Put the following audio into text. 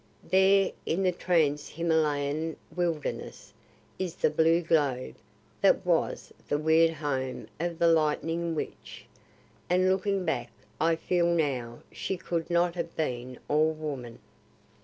There in the Trans Himalayan wilderness is the blue globe that was the weird home of the lightning witch and looking back I feel now she could not have been all woman.